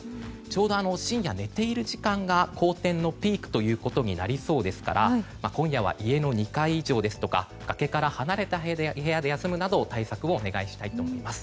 ちょうど深夜寝ている時間が荒天のピークとなりそうですから今夜は家の２階以上ですとか崖から離れた部屋で休むなど対策をお願いしたいと思います。